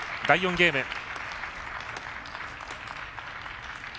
第４ゲーム。